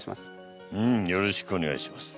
よろしくお願いします。